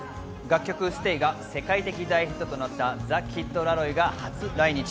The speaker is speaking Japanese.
楽曲『ＳＴＡＹ』が世界的大ヒットとなったザ・キッド・ラロイが初来日。